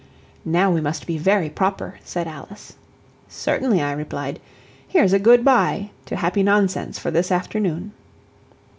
"Now we must be very proper," said Alice. "Certainly," I replied, "here's a good by to happy nonsense for this afternoon."